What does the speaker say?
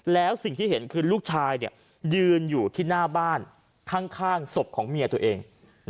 แล้วสิ่งที่เห็นคือลูกชายยืนอยู่ที่หน้าบ้านข้างศพของเมียตัวเอง